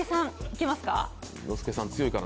いけますか？